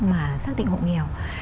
mà xác định hộ nghèo